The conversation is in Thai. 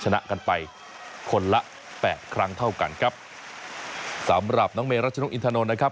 ชนะกันไปคนละแปดครั้งเท่ากันครับสำหรับน้องเมรัชนกอินทนนท์นะครับ